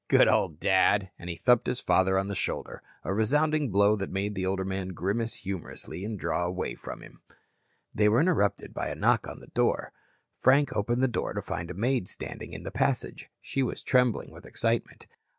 "Good old Dad." And he thumped his father on the shoulder, a resounding blow that made the older man grimace humorously and draw away from him. They were interrupted by a knock on the door. Frank opened the door to find a maid standing in the passage. She was trembling with excitement.